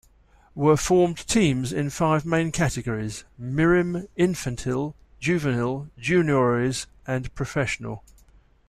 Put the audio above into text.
Were formed teams in five main categories: Mirim, Infantil, Juvenil, Juniores and professional.